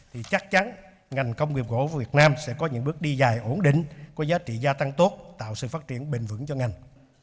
thì chắc chắn ngành công nghiệp gỗ của việt nam sẽ có những bước đi dài ổn định có giá trị gia tăng tốt tạo sự phát triển bền vững cho ngành